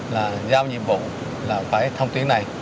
là giao nhiệm vụ là phải thông tuyến này